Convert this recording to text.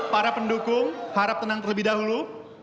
para pendukung harap tenang terlebih dahulu